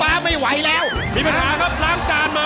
ออกออกออกออกออกออก